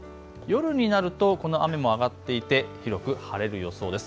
夜になるとこの雨も上がっていて広く晴れる予想です。